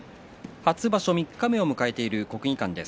初場所三日目を迎えている国技館です。